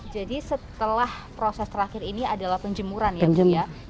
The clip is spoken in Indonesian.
jadi setelah proses terakhir ini adalah penjemuran ya bu